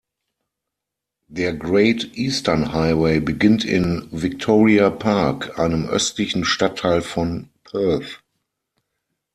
Der Great Eastern Highway beginnt in "Victoria Park", einem östlichen Stadtteil von Perth.